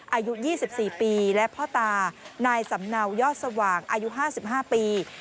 อายุ๒๔ปีและพ่อตานายสำเนายอดสว่างอายุ๕๕ปี